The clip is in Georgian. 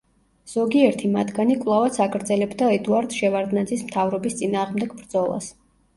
ზოგიერთი მათგანი კვლავაც აგრძელებდა ედუარდ შევარდნაძის მთავრობის წინააღმდეგ ბრძოლას.